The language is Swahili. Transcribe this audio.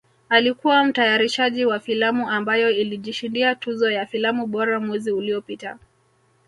Alikuwa mtayarishaji wa filamu ambayo ilijishindia tuzo ya filamu bora mwezi uliopita